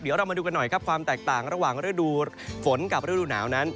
เดี๋ยวเรามาดูกันหน่อยครับความแตกต่างระหว่างฤดูฝนกับฤดูหนาวนั้น